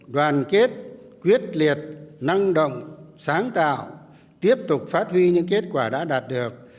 đoàn kết quyết liệt năng động sáng tạo tiếp tục phát huy những kết quả đã đạt được